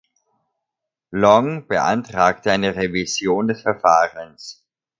Long beantragte eine Revision des Verfahrens.